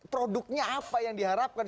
produknya apa yang diharapkan